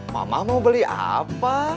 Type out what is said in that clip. mama mau beli apa